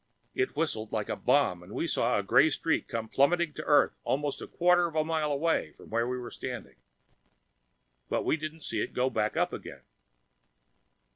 It whistled like a bomb and we saw the gray streak come plummeting to Earth almost a quarter of a mile away from where we were standing. But we didn't see it go back up again.